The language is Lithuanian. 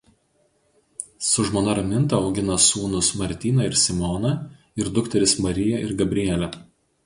Su žmona Raminta augina sūnus Martyną ir Simoną ir dukteris Mariją ir Gabrielę.